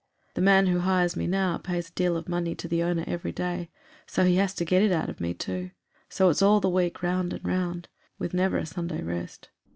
The man who hires me now pays a deal of money to the owner every day, and so he has to get it out of me too; and so it's all the week round and round, with never a Sunday rest."